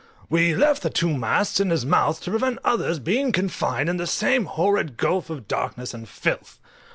We left the two masts in his mouth, to prevent others being confined in the same horrid gulf of darkness and filth.